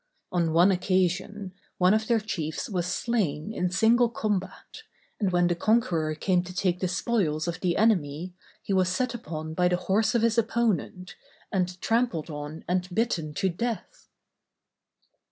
On one occasion, one of their chiefs was slain in single combat, and when the conqueror came to take the spoils of the enemy, he was set upon by the horse of his opponent, and trampled on and bitten to death.